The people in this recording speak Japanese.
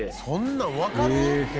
そんなわかる？